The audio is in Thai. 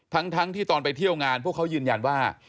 ทั้งที่ตอนไปเที่ยวงานพวกเขายืนยันว่า